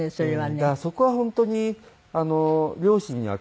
だからそこは本当に両親には感謝ですね。